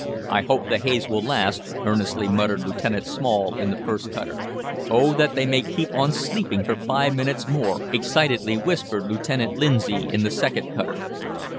"I hope the haze will last," earnestly muttered Lieutenant Small in the first cutter. "Oh that they may keep on sleeping for five minutes more," excitedly whispered Lieutenant Lindsay in the second cutter.